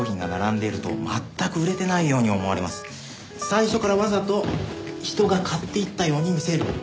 最初からわざと人が買っていったように見せる。